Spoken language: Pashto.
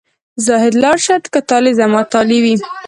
زاهده لاړ شه که طالع زما طالع وي.